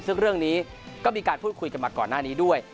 ซึ่งเรื่องนี้ก็มีการพูดคุยกันมาก่อนหน้านี้ด้วย